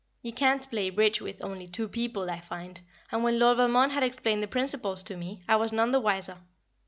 You can't play "Bridge" with only two people, I find, and when Lord Valmond had explained the principles to me, I was none the wiser.